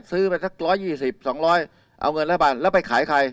ซื้อไปสัก๑๒๐๒๐๐เอาเงินรัฐบาลแล้วไปขายใคร